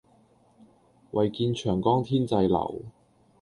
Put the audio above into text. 唯見長江天際流